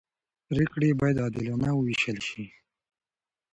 پرېکړې باید عادلانه وېشل شي